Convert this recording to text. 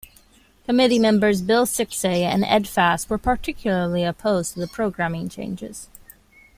Committee members Bill Siksay and Ed Fast were particularly opposed to the programming changes.